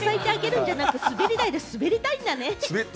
滑り台で滑りたいんだね。